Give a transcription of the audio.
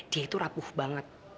dia itu rapuh banget